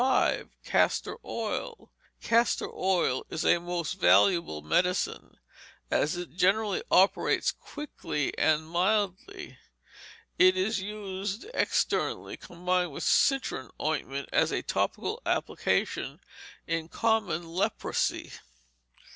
Castor Oil Castor Oil is a most valuable medicine, as it generally operates quickly and mildly. It is used externally, combined with citron ointment, as a topical application in common leprosy.